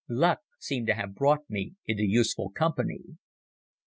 Luck seemed to have brought me into useful company.